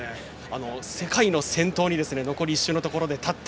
世界の先頭に残り１周のところで立って。